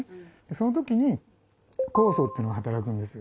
その時に酵素というのが働くんです。